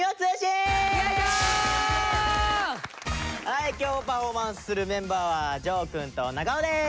はい今日パフォーマンスするメンバーはジョーくんと長尾です！